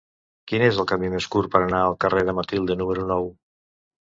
Quin és el camí més curt per anar al carrer de Matilde número nou?